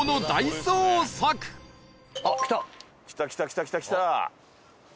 来た来た来た来た来た！